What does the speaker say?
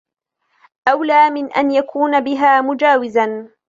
أَوْلَى مِنْ أَنْ يَكُونَ بِهَا مُجَاوِزًا